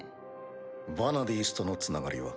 ヴァナディースとのつながりは？